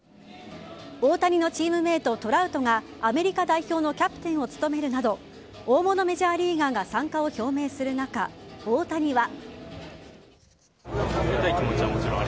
大谷のチームメート・トラウトがアメリカ代表のキャプテンを務めるなど大物メジャーリーガーが参加を表明する中大谷は。